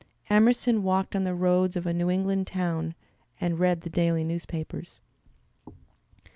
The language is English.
Emerson walked on the roads of a New England town and read the daily newspapers.